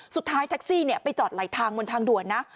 สุดท้ายแท็กซี่ไปจอดไหลทางบนทางด่วนนะ